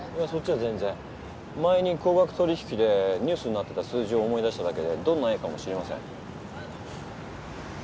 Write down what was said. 前に高額取引でニュースになってた数字を思い出しただけでどんな絵かも知りません。